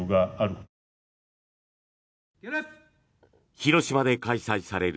広島で開催される